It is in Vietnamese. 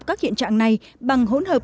các hiện trạng này bằng hỗn hợp